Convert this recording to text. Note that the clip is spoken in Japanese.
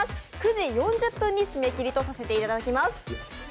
９時４０分に締め切りとさせていただきます。